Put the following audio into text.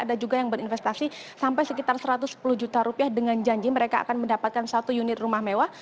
ada juga yang berinvestasi sampai sekitar satu ratus sepuluh juta rupiah dengan janji mereka akan mendapatkan satu unit rumah mewah